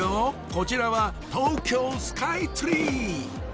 こちらは東京スカイツリー！